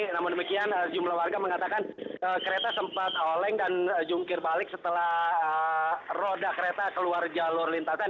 namun demikian jumlah warga mengatakan kereta sempat oleng dan jungkir balik setelah roda kereta keluar jalur lintasan